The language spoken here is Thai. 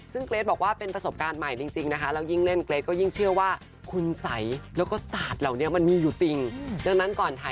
ซึ่งเกรทบอกว่าเป็นประสบการณ์ใหม่จริงนะคะ